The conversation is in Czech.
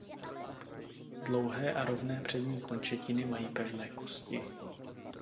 Dlouhé a rovné přední končetiny mají pevné kosti.